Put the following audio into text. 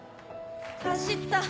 走った！